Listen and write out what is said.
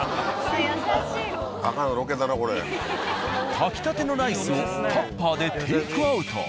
炊きたてのライスをタッパーでテイクアウト。